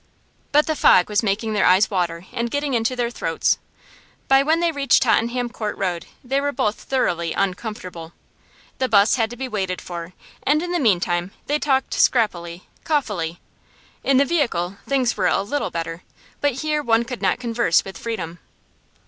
But the fog was making their eyes water and getting into their throats. By when they reached Tottenham Court Road they were both thoroughly uncomfortable. The 'bus had to be waited for, and in the meantime they talked scrappily, coughily. In the vehicle things were a little better, but here one could not converse with freedom.